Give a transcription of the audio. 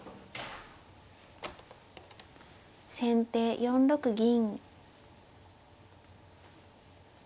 先手４六銀。